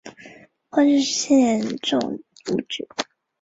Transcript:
光绪十七年中武举。